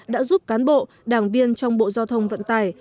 đã giúp cán bộ đảng viên trong bộ giao thông vận tải